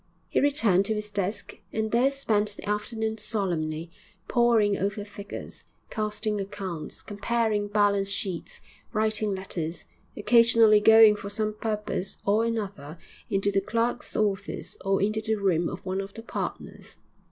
He returned to his desk and there spent the afternoon solemnly poring over figures, casting accounts, comparing balance sheets, writing letters, occasionally going for some purpose or another into the clerks' office or into the room of one of the partners.